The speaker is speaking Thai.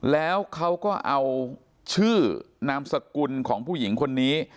แล้วเขาก็เอาชื่อนามสกุลของผู้หญิงคนนี้